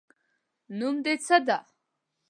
نوم د څه ده